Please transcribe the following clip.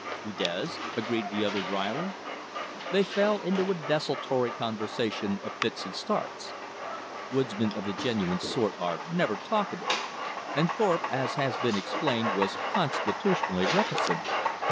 "He does," agreed the other dryly. They fell into a desultory conversation of fits and starts. Woodsmen of the genuine sort are never talkative; and Thorpe, as has been explained, was constitutionally reticent.